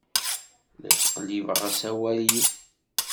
La ttqellibeɣ asawal-iw.